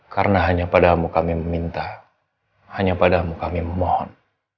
karena hanya padamu kami meminta hanya padamu kami mohon